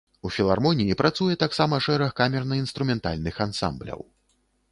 У філармоніі працуе таксама шэраг камерна-інструментальных ансамбляў.